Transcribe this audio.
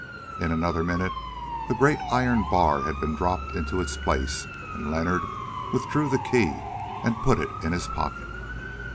In another minute the great iron bar had been dropped into its place, and Leonard withdrew the key and put it in his pocket.